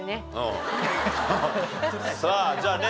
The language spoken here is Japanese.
さあじゃあね